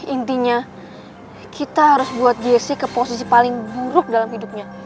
intinya kita harus buat jessi ke posisi paling buruk dalam hidupnya